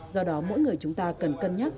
do đó mỗi người chúng ta cần cân nhắc